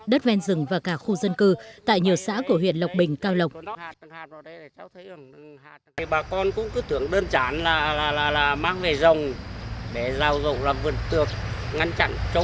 đất ven rừng và cả khu dân cư tại nhiều xã của huyện lộc bình cao lộc